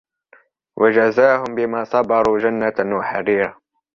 وجزاهم بما صبروا جنة وحريرا